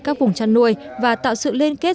các vùng chăn nuôi và tạo sự liên kết